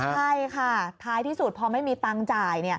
ใช่ค่ะท้ายที่สุดพอไม่มีตังค์จ่าย